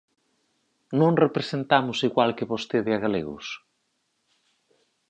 ¿Non representamos igual que vostede a galegos?